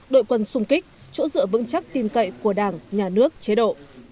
đội quân xung kích chỗ dựa vững chắc tin cậy của đảng nhà nước chế độ